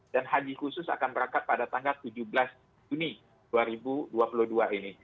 dan haji khusus akan berangkat pada tanggal tujuh belas juni dua ribu dua puluh dua ini